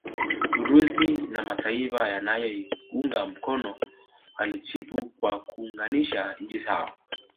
Urusi na mataifa yanayoiunga mkono walijibu kwa kuunganisha nchi zao